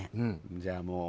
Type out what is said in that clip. じゃあもう。